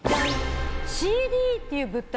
ＣＤっていう物体